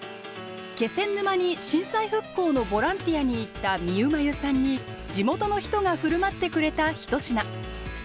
気仙沼に震災復興のボランティアに行ったみゆまゆさんに地元の人が振る舞ってくれた一品。